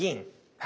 はい。